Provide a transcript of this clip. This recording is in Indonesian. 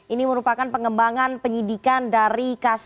ini merupakan pengembangan penyidikan dari kasus